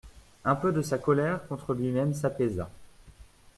Un peu de sa colère contre lui-même s'apaisa.